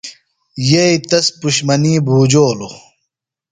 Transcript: یئی تس پِشمنی بُھوجولوۡ۔